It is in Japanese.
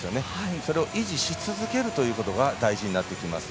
それを維持し続けることが大事になってきます。